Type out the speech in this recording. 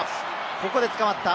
ここで捕まった。